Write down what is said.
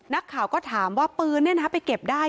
นักข่าวก็ถามว่าปืนไปเก็บได้